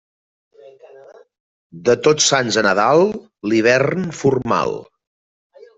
De Tots Sants a Nadal, l'hivern formal.